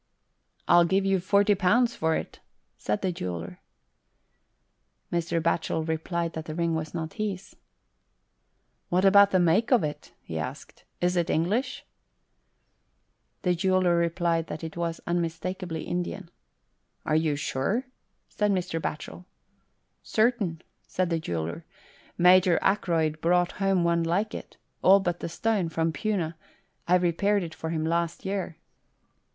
" I'll give you forty pounds for it," said the jeweller. Mr. Batchel replied that the ring was not his. " What about the make of it ?" he asked. " Is it English ?" The jeweller replied that it was unmistak ably Indian. " You are sure ?" said Mr. Batchel. "Certain," said the jeweller. "Major Ackroyd brought home one like it, all but the stone, from Puna; I repaired it for him last year."